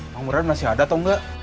pangguran masih ada atau enggak